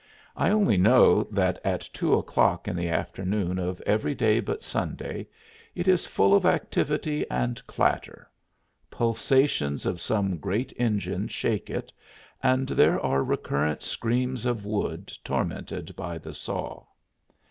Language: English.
I only know that at two o'clock in the afternoon of every day but Sunday it is full of activity and clatter; pulsations of some great engine shake it and there are recurrent screams of wood tormented by the saw.